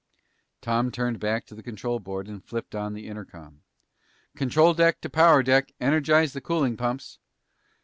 Tom turned back to the control board and flipped on the intercom. "Control deck to power deck! Energize the cooling pumps!"